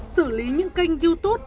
xử lý những kênh youtube